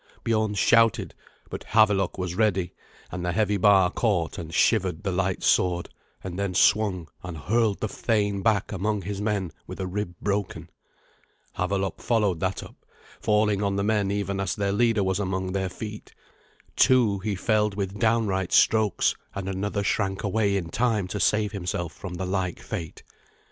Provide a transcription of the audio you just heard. Biorn shouted; but Havelok was ready, and the heavy bar caught and shivered the light sword, and then swung and hurled the thane back among his men with a rib broken. Havelok followed that up, falling on the men even as their leader was among their feet. Two he felled with downright strokes, and another shrank away in time to save himself from the like fate.